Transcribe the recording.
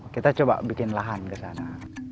kita coba bikin lahan ke sana